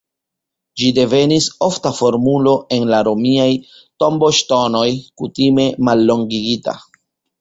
Ĝi devenis ofta formulo en la romiaj tomboŝtonoj, kutime mallongigita.